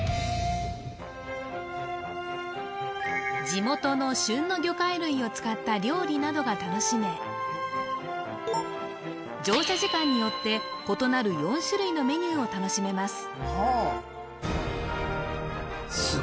地元の旬の魚介類を使った料理などが楽しめ乗車時間によって異なる４種類のメニューを楽しめます